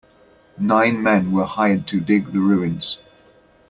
Nine men were hired to dig the ruins.